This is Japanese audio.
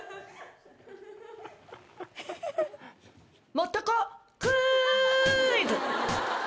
もっとこクイズ！